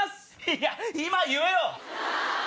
いや今言えよ！